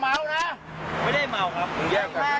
ไม่ได้เมาครับ